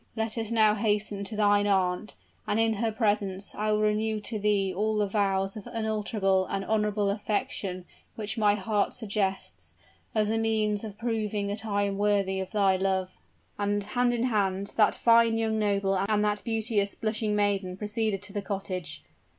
"Let us now hasten to thine aunt; and in her presence will I renew to thee all the vows of unalterable and honorable affection which my heart suggests, as a means of proving that I am worthy of thy love." And, hand in hand, that fine young noble and that beauteous, blushing maiden proceeded to the cottage.